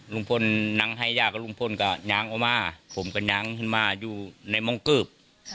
ลุงพลน้องไห้ยากลุงพลก็ย้างมาผมก็ย้างขึ้นมาอยู่ในมองเกือบ